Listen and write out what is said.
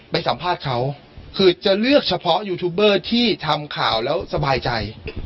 สัมภาษณ์เขาคือจะเลือกเฉพาะยูทูบเบอร์ที่ทำข่าวแล้วสบายใจ